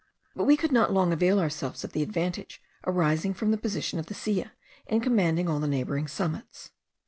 But we could not long avail ourselves of the advantage arising from the position of the Silla, in commanding all the neighbouring summits.